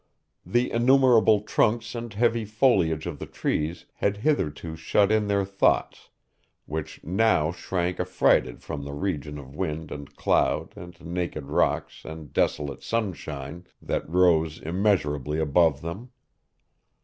The innumerable trunks and heavy foliage of the trees had hitherto shut in their thoughts, which now shrank affrighted from the region of wind and cloud and naked rocks and desolate sunshine, that rose immeasurably above them.